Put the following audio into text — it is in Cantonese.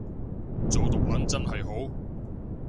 做毒撚真係好